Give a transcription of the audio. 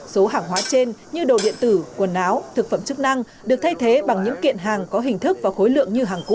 số hàng hóa trên như đồ điện tử quần áo thực phẩm chức năng được thay thế bằng những kiện hàng có hình thức và khối lượng như hàng cũ